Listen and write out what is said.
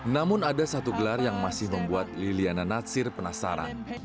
namun ada satu gelar yang masih membuat liliana natsir penasaran